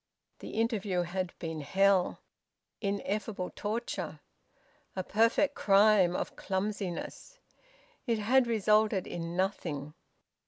The interview had been hell, ineffable torture, a perfect crime of clumsiness. It had resulted in nothing.